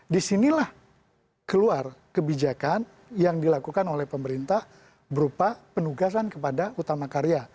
disinilah keluar kebijakan yang dilakukan oleh pemerintah berupa penugasan kepada utama karya